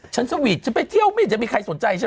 ฉันสวีตจะไปเที่ยวไม่จะมีใครสนใจฉัน